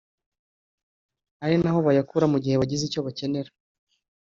ari naho bayakura mu gihe bagize icyo bakenera